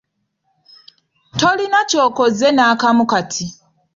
Tolina kyokoze nakamu kati.